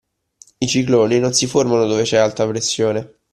I cicloni non si formano dove c'è alta pressione.